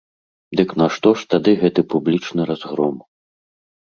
Дык нашто ж тады гэты публічны разгром?